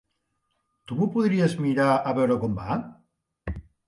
Tu m'ho podries mirar a veure com va?